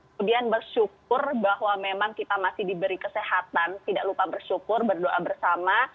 kemudian bersyukur bahwa memang kita masih diberi kesehatan tidak lupa bersyukur berdoa bersama